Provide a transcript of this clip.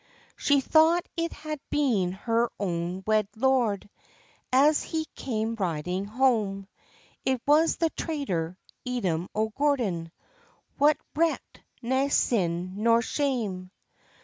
She thought it had been her own wed lord. As he came riding hame; It was the traitor, Edom o' Gordon, Wha reck'd nae sin nor shame.